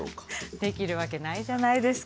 できるわけないじゃないですか。